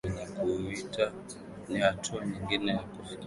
na kuita hiyo ni hatua nyingine ya kufikia mapinduzi ya kweli